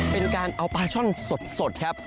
เป็นการเอาปลาช่อนสดครับ